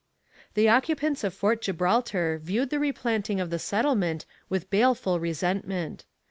The occupants of Fort Gibraltar viewed the replanting of the settlement with baleful resentment.